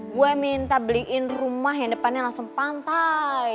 gue minta beliin rumah yang depannya langsung pantai